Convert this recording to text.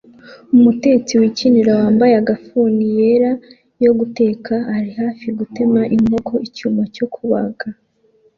Umutetsi wikinira wambaye agafuni yera yo guteka ari hafi gutema inkoko icyuma cyo kubaga